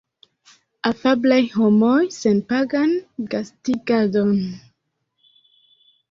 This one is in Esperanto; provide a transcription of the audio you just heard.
Afablaj homoj. Senpagan gastigadon